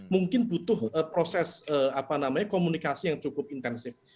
mungkin butuh proses komunikasi yang cukup intensif